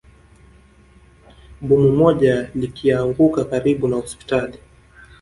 Bomu moja likianguka karibu na hospitali